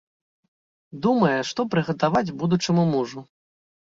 Думае, што прыгатаваць будучаму мужу.